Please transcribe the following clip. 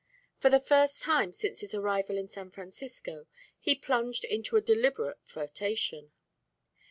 For the first time since his arrival in San Francisco, he plunged into a deliberate flirtation.